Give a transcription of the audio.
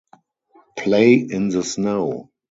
Play in the snow!